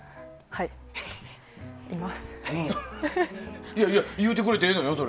いやいや言うてくれて、ええのよ。